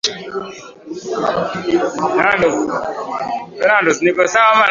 na amri ya kutojihusisha na mapambano yoyote ya kijeshi